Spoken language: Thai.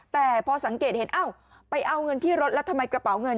แต่พอสังเกตเห็นเอ้าไปเอาเงินที่รถแล้วทำไมกระเป๋าเงิน